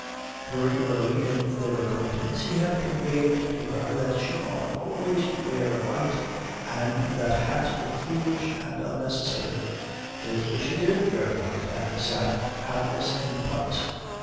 Very early in their acquaintance he had conveyed to her that she ought always to wear white and that hats were foolish and unnecessary; therefore she did wear white, and sat hatless in the punt.